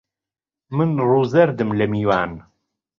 من ڕوو زەردم لە میوان